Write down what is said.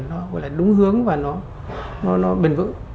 nó gọi là đúng hướng và nó bền vững